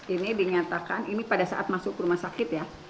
ini dinyatakan ini pada saat masuk ke rumah sakit ya